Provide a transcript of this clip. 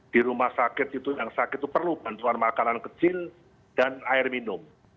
di rumah sakit itu yang sakit itu perlu bantuan makanan kecil dan air minum